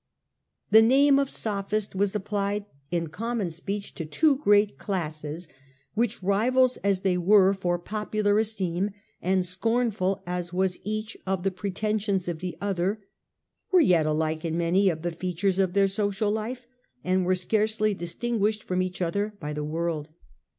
The name of Sophist was applied in common speech to two great classes, which, rivals as they were for popular falling esteem, and scornful as was each of the pre under the tcnsions of the Other, were yet alike in many mam dm ,. i i r i sions of, I® of the features of their social life, and were Mvd phiS>so scarcely distinguished from each other by the phew, world.